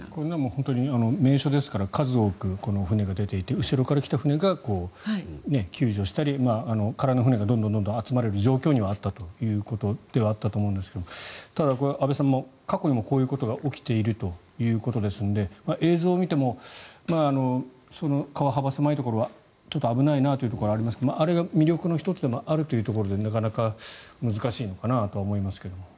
本当に名所ですから数多く船が出ていて後ろから来た船が救助したり空の船がどんどん集まれる状況にはあったということではあると思うんですがただ、安部さん過去にもこういうことが起きているということですので映像を見ても、川幅狭いところはちょっと危ないなというところはありますがあれが魅力の１つでもあるというところでなかなか難しいのかなとは思いますけども。